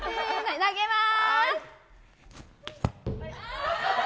投げます。